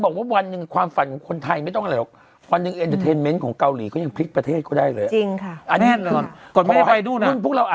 ก็เป็นความรู้สึกของการแสดงออกที่ดีอะเนอะ